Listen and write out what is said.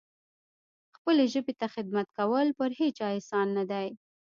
خپلې ژبې ته خدمت کول پر هیچا احسان نه دی.